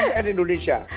tapi cnn indonesia